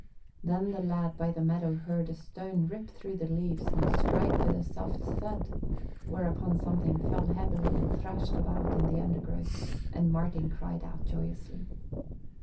Then the lad by the meadow heard a stone rip through the leaves and strike with a soft thud, whereupon something fell heavily and thrashed about in the undergrowth, and Martin cried out joyously.